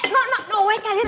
mereka ngapain disini